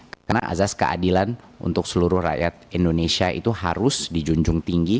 karena azas keadilan untuk seluruh rakyat indonesia itu harus dijunjung tinggi